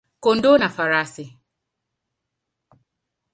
kondoo na farasi.